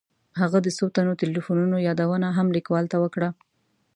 هغه د څو تنو تیلیفونونو یادونه هم لیکوال ته وکړه.